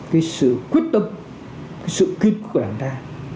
cái sự quyết tâm cái sự kích của đảng ta